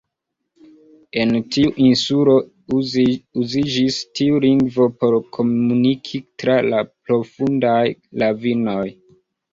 En tiu insulo uziĝis tiu lingvo por komuniki tra la profundaj ravinoj.